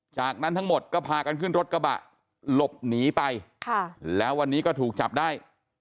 จากนั้นทั้งหมดก็พากันขึ้นรถกระบะหลบหนีไปแล้ววันนี้ก็ถูกจับได้